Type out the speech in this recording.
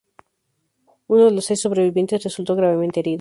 Uno de los seis sobrevivientes resultó gravemente herido.